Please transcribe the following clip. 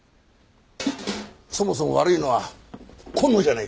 そもそも悪いのは今野じゃねえか。